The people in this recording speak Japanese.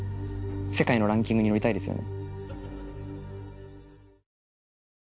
世界のランキングに乗りたいですよね。